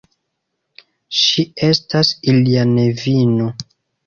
Ŝi estas ilia nevino.